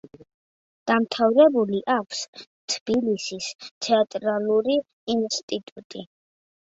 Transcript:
დამთავრებული აქვს თბილისის თეატრალური ინსტიტუტი.